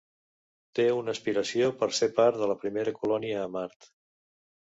Té una aspiració per ser part de la primera colònia a Mart.